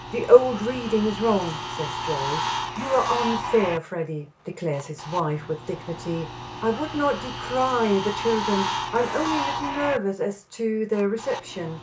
The old reading is wrong," says Joyce. "You are unfair, Freddy," declares his wife with dignity; "I would not decry the children. I am only a little nervous as to their reception.